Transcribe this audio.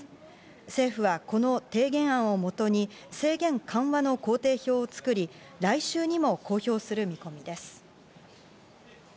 政府はこの提言案を基に制限緩和の行程表を作り、来週にも公表する見込みです。